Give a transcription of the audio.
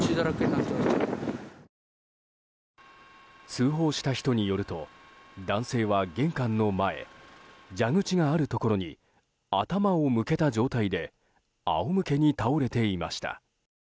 通報した人によると男性は玄関の前蛇口があるところに頭を向けた状態で仰向けに倒れていました。